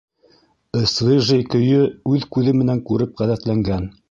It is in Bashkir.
Ысвежый көйө үҙ күҙе менән күреп ғәҙәтләнгән.